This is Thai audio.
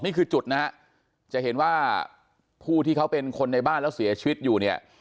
นี่คือจุดนะฮะจะเห็นว่าผู้ที่เขาเป็นคนในบ้านแล้วเสียชีวิตอยู่เนี่ย